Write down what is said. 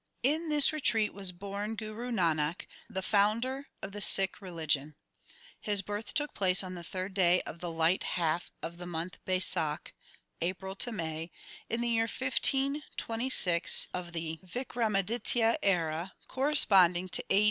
In this retreat was born Guru Nanak, the founder of the Sikh religion. His birth took place on the third day of the light half of the month of Baisakh (April May) in the year 1526 of the Vikramaditya era, corresponding to A.